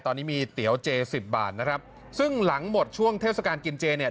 ตอนนี้มีเตี๋ยวเจสิบบาทนะครับซึ่งหลังหมดช่วงเทศกาลกินเจเนี่ย